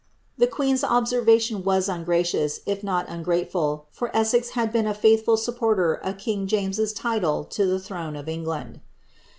The queen's observation was ungracious, if not ungrateful, for Essex had been a fiiitliful supporter of king Jameses title to the throne of England.